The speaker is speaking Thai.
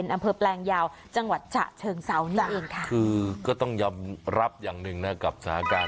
ดีดีดีดีดี